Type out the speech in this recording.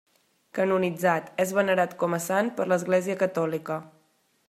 Canonitzat, és venerat com a sant per l'Església catòlica.